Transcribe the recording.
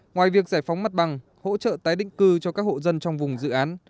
ngoài việc giải phóng mặt bằng hỗ trợ tái định cư cho các hộ dân trong vùng dự án